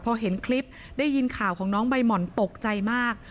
พอเห็นคลิปได้ยินข่าวของน้องใบหม่อนตกใจมาก